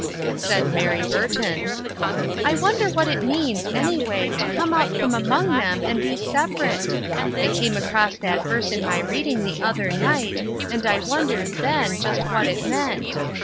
Said Mary Burton :" I wonder what it means, any way, to come out from among them and be separate ? I came across that verse in my reading the other night, and I wondered, then, just what it meant.